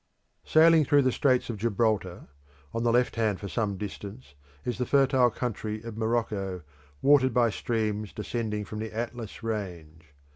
Sailing through the Straits of Gibraltar, on the left hand for some distance is the fertile country of Morocco watered by streams descending from the Atlas range.